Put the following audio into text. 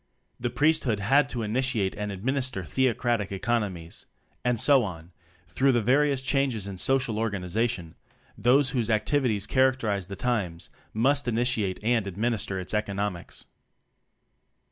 The priesthood had to initiate and administer theocratic eco nomics. And so on, through the various changes in social organization: Those whose activities characterize the times must initiate and administer its economics.